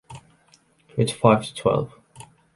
It’s five to twelve.